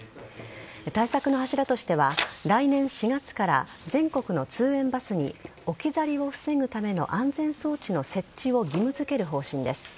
対策の柱としては来年４月から全国の通園バスに置き去りを防ぐための安全装置の設置を義務付ける方針です。